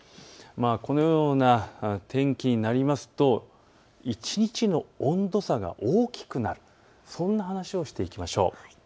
このような天気になりますと一日の温度差が大きくなる、そんな話をしていきましょう。